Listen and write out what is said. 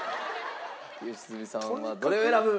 良純さんはどれを選ぶ？